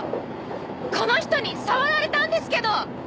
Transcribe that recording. この人に触られたんですけど！